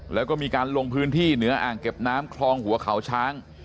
แล้วก็มีการลงพื้นที่เหนืออ่างเก็บน้ำคลองหัวเขาช้าง